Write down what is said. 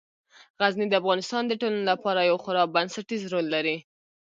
غزني د افغانستان د ټولنې لپاره یو خورا بنسټيز رول لري.